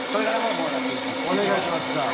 おねがいしますじゃあ。